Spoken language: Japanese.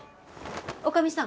女将さん。